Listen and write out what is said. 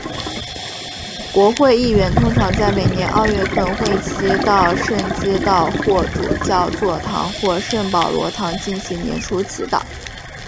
国会议员通常在每年二月份会期到圣基道霍主教座堂或圣保罗堂进行年初祈祷。